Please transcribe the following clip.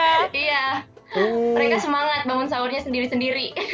iya mereka semangat bangun sahurnya sendiri sendiri